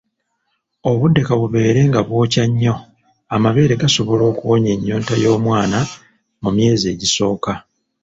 Obudde ka bubeere nga bwokya nnyo, amabeere gasobola okuwonya ennyonta y'omwana mu myezi egisooka.